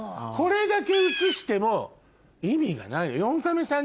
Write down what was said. これだけ映しても意味がないの。